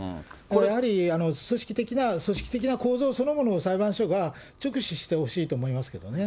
やはり、組織的な構造そのものを、裁判所が直視してほしいと思いますけどね。